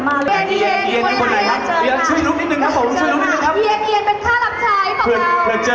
แล้วก็มีปาป้า